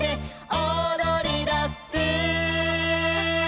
「おどりだす」